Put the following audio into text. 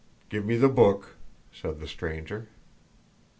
Give me the book," said the stranger.